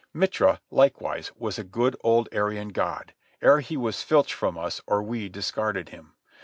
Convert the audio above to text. Mitra, likewise, was a good old Aryan god, ere he was filched from us or we discarded him.